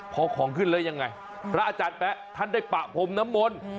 พอของขึ้นแล้วยังไงพระอาจารย์แป๊ะท่านได้ปะพรมน้ำมนต์